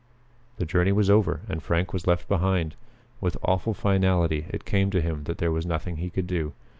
The journey was over, and Frank was left behind. With awful finality it came to him that there was nothing he could do.